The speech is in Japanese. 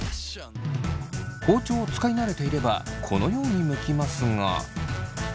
包丁を使い慣れていればこのようにむきますが。